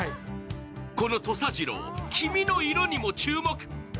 この土佐ジロー、黄身の色にも注目。